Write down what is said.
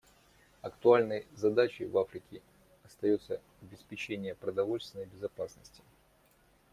Актуальной задачей в Африке остается обеспечение продовольственной безопасности.